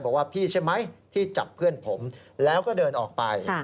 บอกว่าพี่ใช่ไหมที่จับเพื่อนผมแล้วก็เดินออกไป